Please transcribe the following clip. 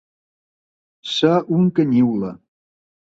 Ser un canyiula.